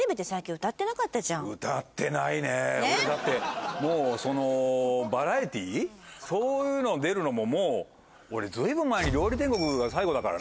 俺だってもうバラエティーそういうの出るのももう俺随分前に『料理天国』が最後だからね。